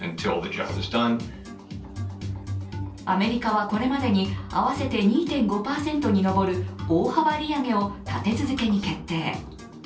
アメリカはこれまでに合わせて２．５％に上る大幅利上げを立て続けに決定。